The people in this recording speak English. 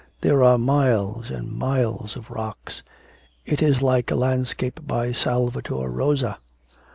'There are miles and miles of rocks. It is like a landscape by Salvator Rosa.'